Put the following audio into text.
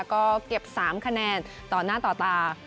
ก็เก็บ๓คะแนนต่อหน้าต่อตา